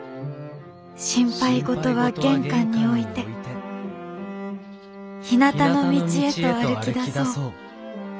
「心配事は玄関に置いてひなたの道へと歩きだそう。